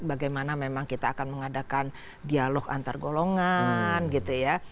bagaimana memang kita akan mengadakan dialog antar golongan gitu ya